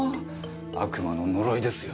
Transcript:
悪魔の呪いですよ。